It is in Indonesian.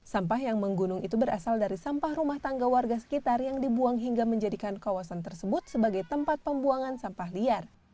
sampah yang menggunung itu berasal dari sampah rumah tangga warga sekitar yang dibuang hingga menjadikan kawasan tersebut sebagai tempat pembuangan sampah liar